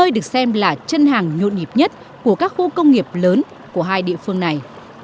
được xem là chân hàng nhộn nhịp nhất của các khu công nghiệp lớn của hai địa phương này